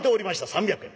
３００円